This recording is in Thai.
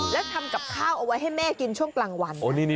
แล้วทำกับข้าวเอาไว้ให้แม่กินช่วงกลางวัน